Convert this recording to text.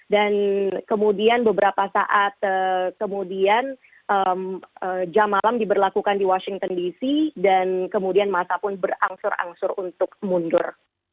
dan kemudian beberapa saat kemudian jam malam diberlakukan di washington dc dan kemudian masa pun berangsur angsur untuk mundur